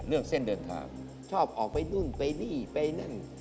เส้นเดินทางชอบออกไปนู่นไปนี่ไปนั่น